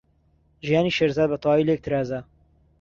ژیانی شێرزاد بەتەواوی لێک ترازا.